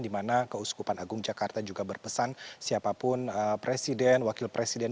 di mana keuskupan agung jakarta juga berpesan siapapun presiden wakil presiden